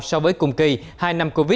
so với cùng kỳ hai năm covid một mươi chín